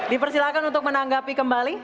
dipersilakan untuk menanggapi kembali